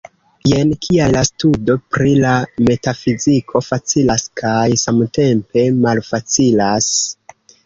Jen kial la studo pri la metafiziko facilas kaj samtempe malfacilas.